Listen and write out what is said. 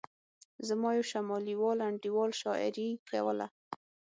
زما یو شمالي وال انډیوال شاعري کوله.